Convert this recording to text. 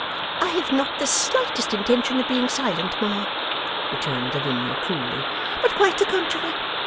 'I have not the slightest intention of being silent, Ma,' returned Lavinia coolly, 'but quite the contrary.